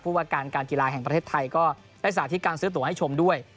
ว่าการการกีฬาแห่งประเทศไทยก็ได้สาธิตการซื้อตัวให้ชมด้วย